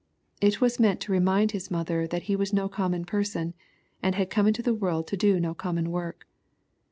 It was meant to remind His mother that He was no common person, and had come into the world to do no common work.